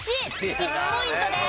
１ポイントです。